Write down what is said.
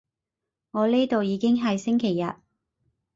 我呢度已經係星期日